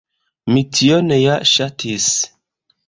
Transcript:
Mi tion ja ŝatis.